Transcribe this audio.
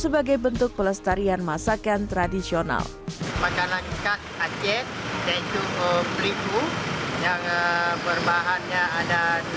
sebagai bentuk pelestarian masakan tradisional makanan asean yaitu peliku yang berbahannya ada